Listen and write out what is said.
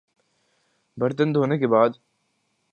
برتن دھونے کے بعد